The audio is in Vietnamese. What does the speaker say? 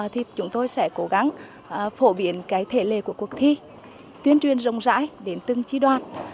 thì chúng tôi sẽ cố gắng phổ biến cái thể lệ của cuộc thi tuyên truyền rộng rãi đến từng tri đoàn